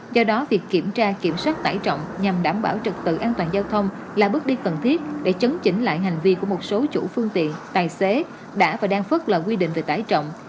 do đó việc kiểm tra kiểm soát tải trọng nhằm đảm bảo trật tự an toàn giao thông là bước đi cần thiết để chấn chỉnh lại hành vi của một số chủ phương tiện tài xế đã và đang phất là quy định về tải trọng